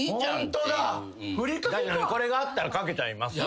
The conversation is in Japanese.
これがあったらかけちゃいますね。